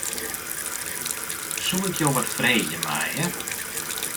Soe ik jo wat freegje meie?